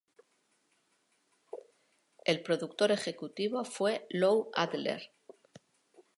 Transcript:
El productor ejecutivo fue Lou Adler.